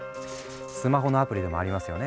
スマホのアプリでもありますよね。